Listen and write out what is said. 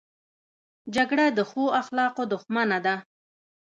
جګړه د ښو اخلاقو دښمنه ده